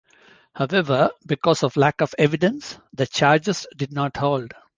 However, because of lack of evidence, the charges did not hold.